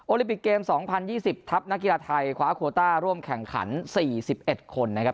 ลิปิกเกม๒๐๒๐ทัพนักกีฬาไทยคว้าโคต้าร่วมแข่งขัน๔๑คนนะครับ